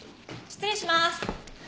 失礼します。